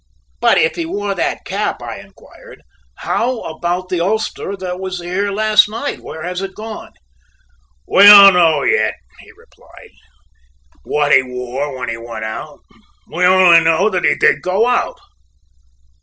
"But if he wore that cap," I inquired, "how about the ulster that was here last night. Where is it gone?" "We don't know yet," he replied, "what he wore when he went out; we only know that he did go out."